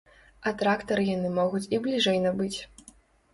А трактары яны могуць і бліжэй набыць.